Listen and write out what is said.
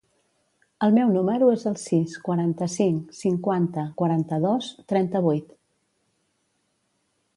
El meu número es el sis, quaranta-cinc, cinquanta, quaranta-dos, trenta-vuit.